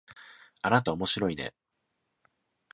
あなたおもしろいね